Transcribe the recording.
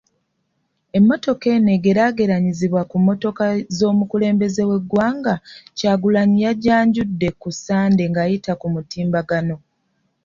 Emmotoka eno egeraageranyizibwa ku mmotoka z'omukulembeze w'eggwanga, Kyagulanyi yajanjudde ku Ssande ng'ayita ku mutimbagano.